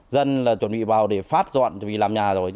dân là chuẩn bị vào để phát dọn chuẩn bị làm nhà rồi